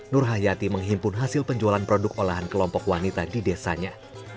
nur hayati menghimpun hasil penjualan produk olahan kelompok wanita di desanya